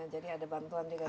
jadi ada bantuan juga